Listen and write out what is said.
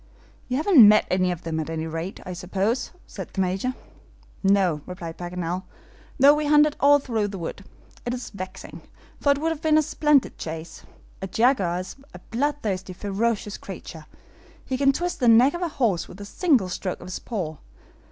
"You haven't met any of them, at any rate, I suppose?" said the Major. "No," replied Paganel, "though we hunted all through the wood. It is vexing, for it would have been a splendid chase. A jaguar is a bloodthirsty, ferocious creature. He can twist the neck of a horse with a single stroke of his paw.